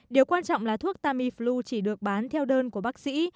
điều quan trọng là thuốc tamiflu chỉ được bán theo đơn của bác sĩ